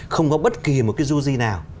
không có bất kỳ một cái du di nào